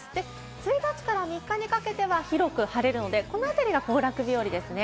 １日から３日にかけては広く晴れるので、この辺りが行楽日和ですね。